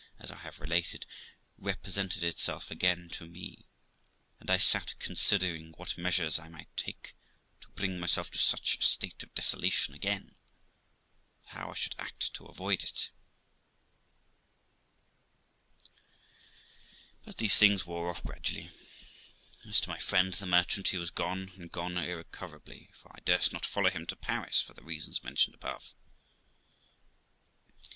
as I have related, represented itself again to me, and I sat considering what measures I might take to bring myself to such a state of desolation again, and how I should act to avoid it. But these things wore off gradually. As to my friend, the merchant, he was gone, and gone irrecoverably, for I durst not follow him to Paris, for the reasons mentioned above.